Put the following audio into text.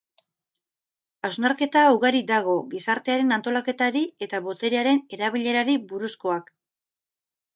Hausnarketa ugari dago, gizartearen antolaketari eta boterearen erabilerari buruzkoak.